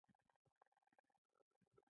د جرمني په ګټه یې فعالیت کاوه.